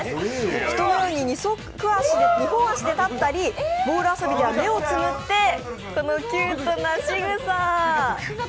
人のように二本足で立ったり、ボール遊びでは目をつむって、このキュートなしぐさ。